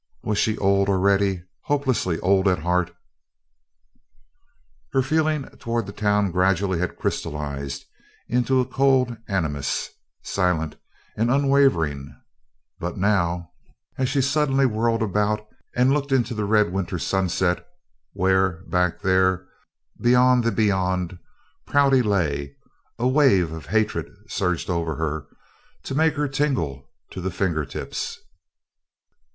Was she old, already hopelessly old at heart? Her feeling toward the town gradually had crystallized into a cold animus, silent and unwavering, but now, as she suddenly whirled about and looked into the red winter sunset where, back there, beyond the Beyond, Prouty lay, a wave of hatred surged over her, to make her tingle to the finger tips.